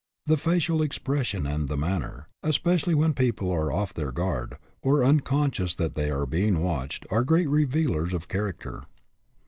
The facial expression and the manner, especially when people are off their guard, or unconscious that they are being watched, are great revealers of character.